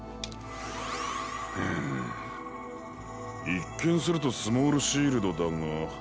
一見するとスモールシールドだが。